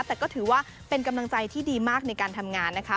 แต่ก็ถือว่าเป็นกำลังใจที่ดีมากในการทำงานนะคะ